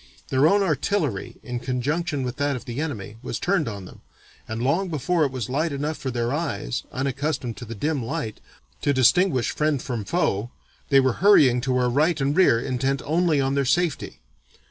Their own artillery in conjunction with that of the enemy, was turned on them, and long before it was light enough for their eyes, unaccustomed to the dim light, to distinguish friend from foe, they were hurrying to our right and rear intent only on their safety.